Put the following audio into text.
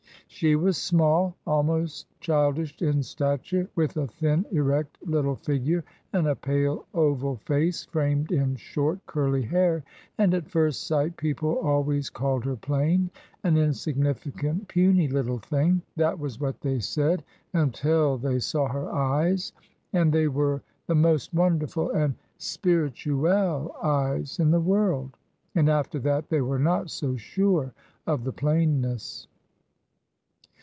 She was small, almost childish in stature, with a thin, erect little figure, and a pale oval face, framed in short, curly hair, and at first sight people always called her plain: "an insignificant, puny little thing" that was what they said until they saw her eyes and they were the most wonderful and spirituelle eyes in the world. And after that they were not so sure of the plainness.